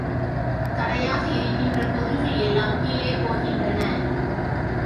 தடையாக இருக்கின்ற பொருள்கள் எல்லாம் கீழே போகின்றன.